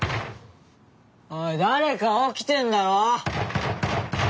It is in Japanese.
おい誰か起きてんだろ？